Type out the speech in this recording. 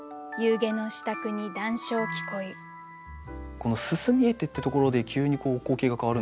この「煤見えて」ってところで急に光景が変わるんですよね。